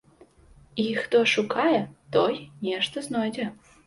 І хто шукае, той нешта знойдзе.